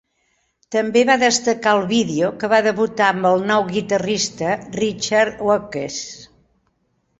També va destacar el vídeo que va debutar amb el nou guitarrista Richard Oakes.